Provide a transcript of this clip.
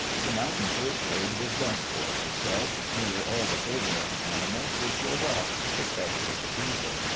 The mountain fur trade was "done for," they said; nearly all the fur bearing animals were killed off, especially the beaver.